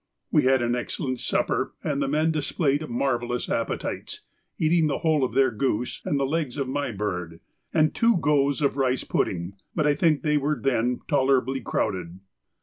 We had an excellent supper, and the men displayed marvellous appetites, eating the whole of their goose, the legs of my bird, and two goes of rice pudding, but I think they were then tolerably crowded.